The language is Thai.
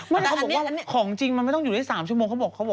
เขาบอกว่าของจริงมันไม่ต้องอยู่ได้๓ชั่วโมงเขาบอกเขาบอก